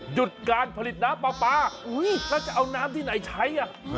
หยุดการผลิตน้ำปลาปลาแล้วจะเอาน้ำที่ไหนใช้อ่ะ